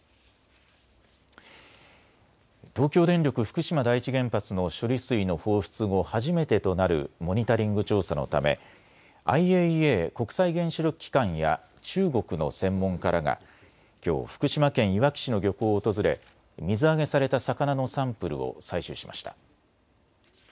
東京電力福島第一原発の処理水の放出後、初めてとなるモニタリング調査のためＩＡＥＡ・国際原子力機関や中国の専門家らがきょう福島県いわき市の漁港を訪れ、水揚げされた魚のサンプルを採取しました。